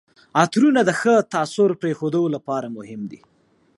عطرونه د ښه تاثر پرېښودو لپاره مهم دي.